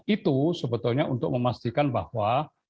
itu sebetulnya untuk memastikan bahwa